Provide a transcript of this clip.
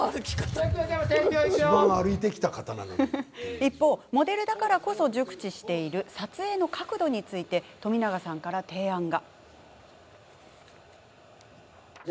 一方、モデルだからこそ熟知している撮影の角度について冨永さんから提案が。